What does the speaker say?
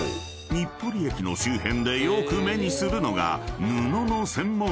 日暮里駅の周辺でよーく目にするのが］